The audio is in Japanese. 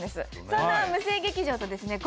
そんな無声劇場とですね